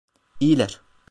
İyiler.